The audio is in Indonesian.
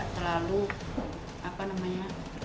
kita harus selalu apa namanya